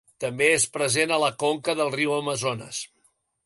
També és present a la conca del riu Amazones.